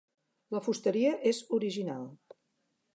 La fusteria és original.